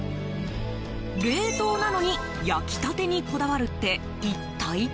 冷凍なのに焼きたてにこだわるって一体？